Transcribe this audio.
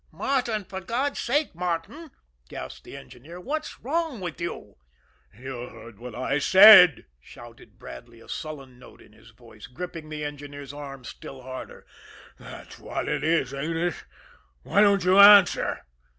"Martin, for God's sake, Martin," gasped the engineer, "what's wrong with you?" "You heard what I said," shouted Bradley, a sullen note in his voice, gripping the engineer's arm still harder. "That's what it is, ain't it? Why don't you answer?"